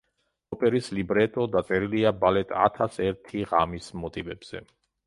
ოპერის ლიბრეტო დაწერილია ბალეტ „ათას ერთი ღამის“ მოტივებზე.